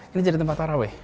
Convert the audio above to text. ini jadi tempat parawe